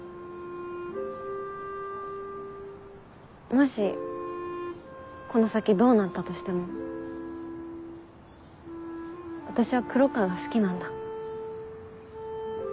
もしこの先どうなったとしても私は黒川が好きなんだ。